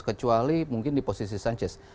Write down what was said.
kecuali mungkin di posisi sanchez